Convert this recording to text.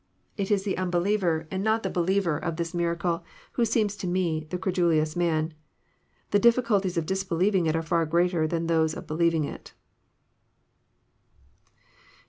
It is the unbeliever, and not the be« X 234 EXFOsrroBY thoughts. liever of this miracle, who seems to me the crednloas man. The dlfflcalties of disbelievlDg it are far greater than those of believing it.